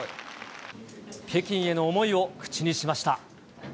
北京への思いを口にしました。